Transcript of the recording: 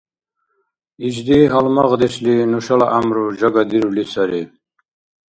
Ишди гьалмагъдешли нушала гӀямру жагадирули сари.